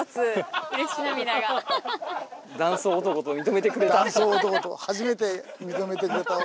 断層男と認めてくれた。